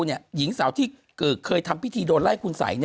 หญิงสาวที่เคยทำพิธีโดนไล่คุณสัย